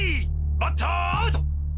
バッターアウト！